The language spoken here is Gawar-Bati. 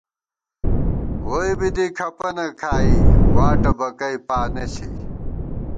ووئی بی دی کھپَنہ کھائی واٹہ بَکئ پانہ ݪی